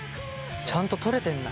ちゃんととれてんだ。